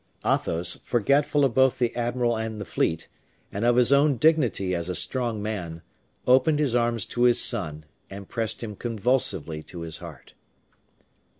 Athos, forgetful of both the admiral and the fleet, and of his own dignity as a strong man, opened his arms to his son, and pressed him convulsively to his heart.